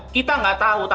kita tidak tahu